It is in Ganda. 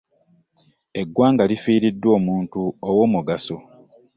Eggwanga lifiiridwa omuntu ow'omugaso.